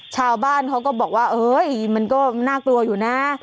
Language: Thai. ชาวบ้านเขาก็บอกว่ามันก็น่ากลัวอยู่นะ